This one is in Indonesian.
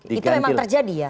itu memang terjadi ya